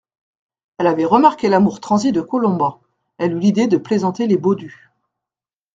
Elle avait remarqué l'amour transi de Colomban, elle eut l'idée de plaisanter les Baudu.